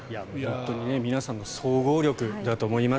皆さんの総合力だと思います。